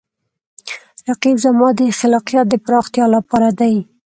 رقیب زما د خلاقیت د پراختیا لپاره دی